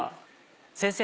先生